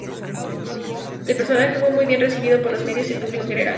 El personaje fue muy bien recibido por los medios y el público en general.